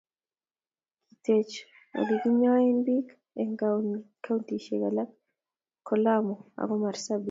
kiteche oleginyoen biik eng kauntishek alak ku lamu ago marsabit